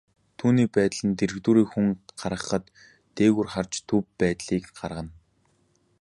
Түүний байдал нь дэргэдүүрээ хүн гарахад, дээгүүр харж төв байдлыг гаргана.